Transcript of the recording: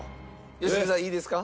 良純さんいいですか？